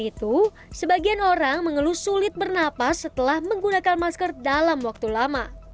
itu sebagian orang mengeluh sulit bernapas setelah menggunakan masker dalam waktu lama